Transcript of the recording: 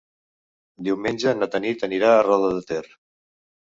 Diumenge na Tanit anirà a Roda de Ter.